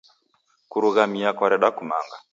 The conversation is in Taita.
Kurumaghia kwareda kumanga.